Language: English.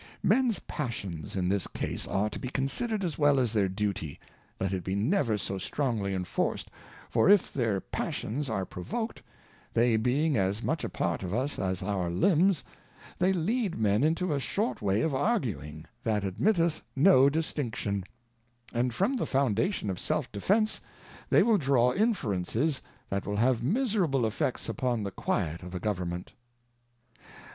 Mens Passions in this Case are to be consider'd as well as their Duty, let it be never so strongly enforc'd, for if their Passions are provok'd, they being as much a part of us as our Limbs, they lead Men Unto a short way of Arguing, that admitteth no distinction, land from the foundation of Self Defence they will draw .'Inferences that will have miserable effects upon the quiet of a / Government.